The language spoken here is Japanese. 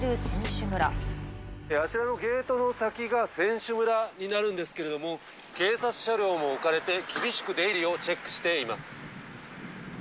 あちらのゲートの先が選手村になるんですけれども、警察車両が置かれて厳しく出入りをチェックしています。